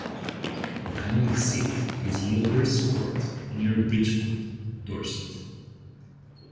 The family seat is Loders Court, near Bridport, Dorset.